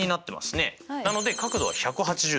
なので角度は１８０°。